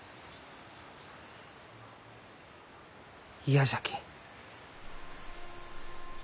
嫌じゃき。